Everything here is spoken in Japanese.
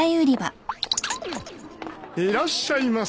いらっしゃいませ。